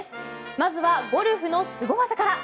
まずはゴルフのすご技から。